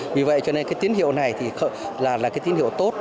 vì vậy cho nên cái tín hiệu này thì là cái tín hiệu tốt